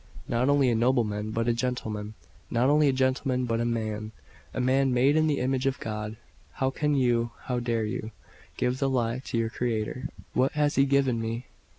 Not only a nobleman, but a gentleman; not only a gentleman, but a man man, made in the image of God. How can you, how dare you, give the lie to your Creator?" "What has He given me?